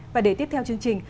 và để tiếp theo chương trình